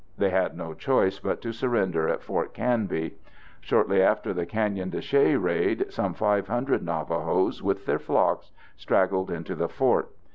They had no choice but to surrender at Fort Canby. Shortly after the Canyon de Chelly raid some 500 Navajos, with their flocks, straggled into the fort.